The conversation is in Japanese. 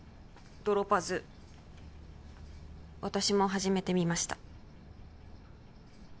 ドロパズ私も始めてみました